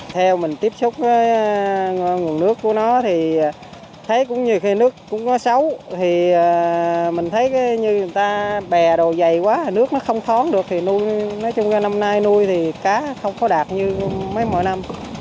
thì mình thấy như người ta bè đồ dày quá nước nó không thoáng được thì nuôi nói chung là năm nay nuôi thì cá không có đạt như mấy mỗi năm